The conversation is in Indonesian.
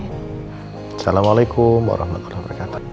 assalamualaikum warahmatullahi wabarakatuh